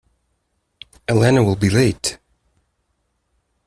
Elena will be late.